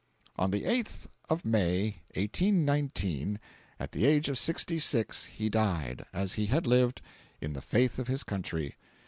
"On the 8th of May, 1819, at the age of sixty six, he died, as he had lived, in the faith of his country.